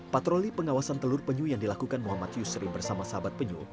patroli pengawasan telur penyu yang dilakukan muhammad yusri bersama sahabat penyu